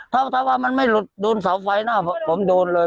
ถ้าว่ามันไม่ลุ่นดเร็วครับฝอยตรงเนื้อสาวฝ่ายน้ำผมผมโดนเลย